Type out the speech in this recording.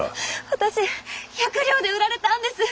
私百両で売られたんです。